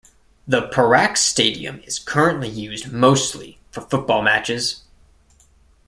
The Perak Stadium is currently used mostly for football matches.